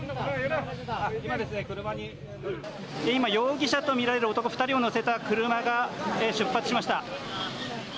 今、容疑者と見られる男２人を乗せた車が出発しました。